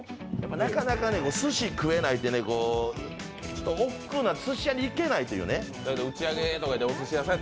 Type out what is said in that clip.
なかなか寿司食えないって、寿司屋に行けないという。